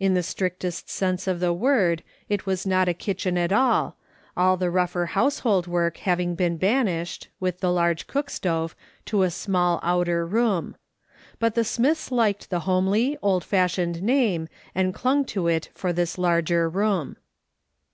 In the strictest sense of the word, it was not a kitchen at all, all the rougher household work having been banished, with the large cook stove, to a small outer room ; but the Smiths liked the homely, old fashioned name, and clung to it for this larger room.